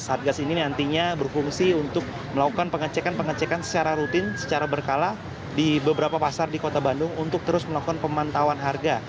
satgas ini nantinya berfungsi untuk melakukan pengecekan pengecekan secara rutin secara berkala di beberapa pasar di kota bandung untuk terus melakukan pemantauan harga